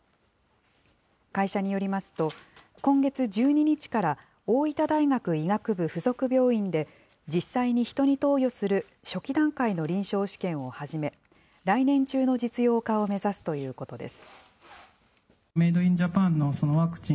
会社によりますと、今月１２日から大分大学医学部附属病院で、実際に人に投与する初期段階の臨床試験を始め、来年中の実用化を目指すということです。